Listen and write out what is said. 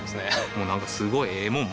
もうなんかすごいええもん